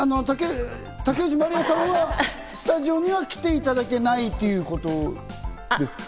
竹内まりやさんはスタジオには来ていただけないですか？